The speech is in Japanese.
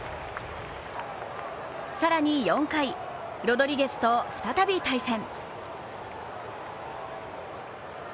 更に４回、ロドリゲスと再び対戦。